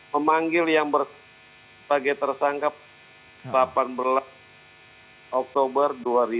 memanggil yang bersangka kemudian tersangka delapan belas oktober dua ribu delapan belas